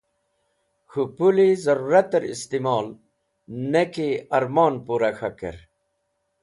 K̃hũ puli zẽrũratẽr istimol ne ki ẽrmon pũra k̃hakẽr.